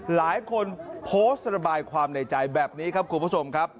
หลายคนโพสต์ระบายความในใจแบบนี้ครับคุณผู้ชมครับ